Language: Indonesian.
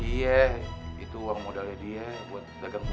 iya itu uang modalnya dia buat dagang kuda